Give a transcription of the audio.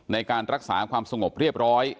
ในการรักษาความสงบเรียบร้อย